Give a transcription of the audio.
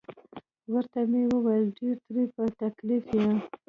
ورته مې وویل: ډیر ترې په تکلیف یم.